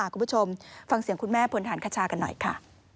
คุณผู้ชมฟังเสียงคุณแม่พลฐานคชากันหน่อยค่ะ